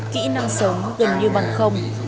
kỹ năng sống gần như bằng không